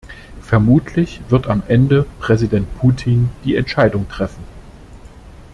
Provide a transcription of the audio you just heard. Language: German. Vermutlich wird am Ende Präsident Putin die Entscheidung treffen.